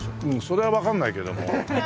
それはわかんないけども。